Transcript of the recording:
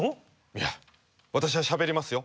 いや私はしゃべりますよ。